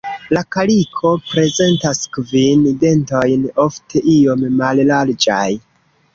La kaliko prezentas kvin dentojn, ofte iom mallarĝaj.